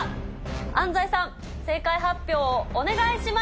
安齊さん、正解発表をお願いします。